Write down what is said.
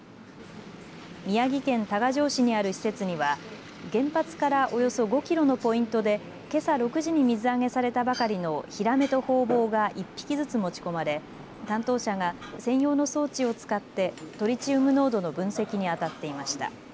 宮城県多賀城市にある施設には原発からおよそ５キロのポイントでけさ６時に水揚げされたばかりのひらめとホウボウが１匹ずつ持ち込まれ担当者が専用の装置を使ってトリチウム濃度の分析に当たっていました。